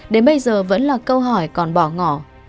đến bây giờ vẫn là câu hỏi còn bỏ ngỏ